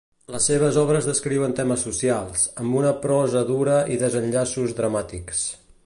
Les seves obres descriuen temes socials, amb una prosa dura i desenllaços dramàtics.